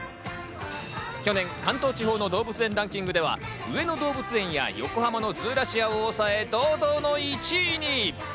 去年、関東地方の動物園ランキングでは上野動物園や横浜のズーラシアを抑え堂々の１位に！